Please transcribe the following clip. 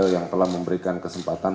yang telah memberikan kesempatan